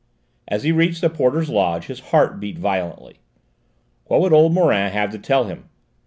As he reached the porter's lodge his heart beat violently. What would old Morin have to tell him?